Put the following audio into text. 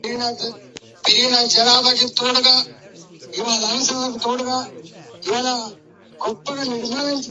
However, there are also arguments against granting amnesty in this case.